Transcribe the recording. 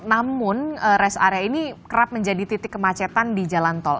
namun rest area ini kerap menjadi titik kemacetan di jalan tol